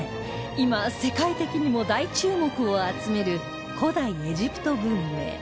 今世界的にも大注目を集める古代エジプト文明